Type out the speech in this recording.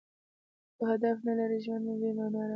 که هدف نه لرى؛ ژوند مو بې مانا روان دئ.